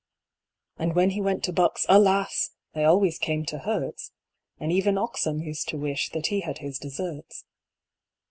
And when he went to Bucks, alas! They always came to Herts; And even Oxon used to wish That he had his deserts.